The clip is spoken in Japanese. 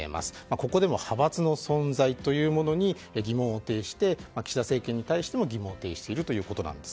ここでも派閥の存在というものに疑問を呈して岸田政権に対しても疑問を呈しているということなんです。